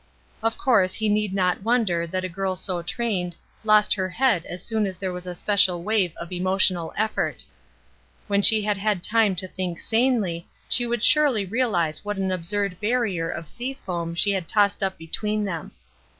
Of course he need not wonder that a girl so trained lost her head as soon as there was a special wave of emotional effort; when she had had time to think sanely, she WHY SHE "QUIT" 313 would surely realize what an absurd barrier of sea foam she had tossed up between them.